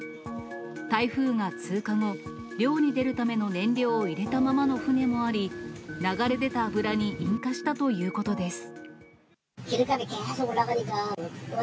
台風が通過後、漁に出るための燃料を入れたままの船もあり、流れ出た油に引火したということです。